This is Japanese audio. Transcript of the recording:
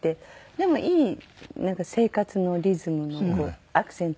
でもいいなんか生活のリズムのアクセントになって。